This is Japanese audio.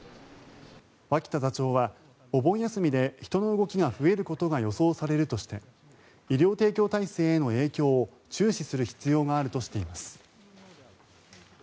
脇田座長は、お盆休みで人の動きが増えることが予想されるとして医療提供体制への影響を注視する必要があるとしています。